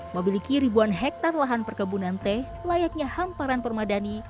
memiliki ribuan hektare lahan perkebunan teh layaknya hamparan permadani